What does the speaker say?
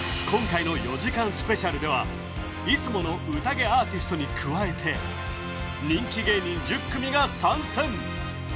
今回の４時間スペシャルではいつものＵＴＡＧＥアーティストに加えて人気芸人１０組が参戦！